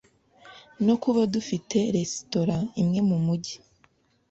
no kuba dufite resitora imwe mu mugi